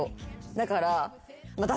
だから。